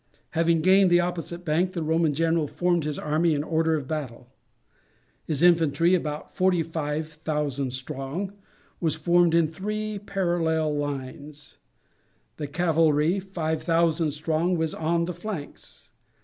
Having gained the opposite bank, the Roman general formed his army in order of battle. His infantry, about forty five thousand strong, was formed in three parallel lines; the cavalry, five thousand strong, was on the flanks.